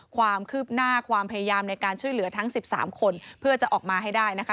ความคืบหน้าความพยายามในการช่วยเหลือทั้ง๑๓คนเพื่อจะออกมาให้ได้นะคะ